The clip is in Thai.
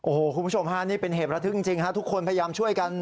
โอ้โหคุณผู้ชมฮะนี่เป็นเหตุระทึกจริงฮะทุกคนพยายามช่วยกัน